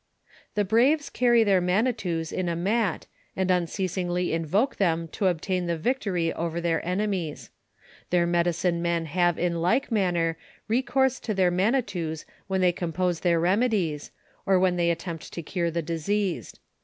"The braves carry their nionitous in a mat, and unceasingly invoke tliem to obtain tlie victory over their enemies. Tlioir mcdicine mon have in like manner recourse to their manitoua when tliey comiH>se tlicir remedies, or when tliey attempt to cure tlie diseased.